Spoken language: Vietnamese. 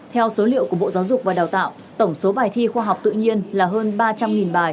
theo số liệu của bộ giáo dục và đào tạo tổng số bài thi khoa học tự nhiên là hơn ba trăm linh bài